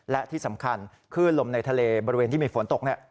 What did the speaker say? และที่สำคัญคลื่นลมในทะเลบริเวณที่มีฝนตก